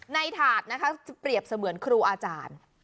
ถาดนะคะจะเปรียบเสมือนครูอาจารย์